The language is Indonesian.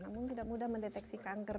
namun tidak mudah mendeteksi kanker